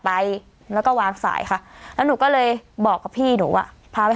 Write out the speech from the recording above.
ไปแล้วก็วางสายค่ะแล้วหนูก็เลยบอกกับพี่หนูอ่ะพาไป